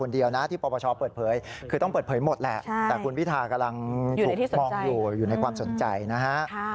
เดี๋ยวเขาคงยื่นเข้ามา